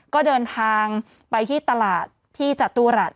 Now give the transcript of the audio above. ก็เดินทางไปที่ตลาดที่จตุรัส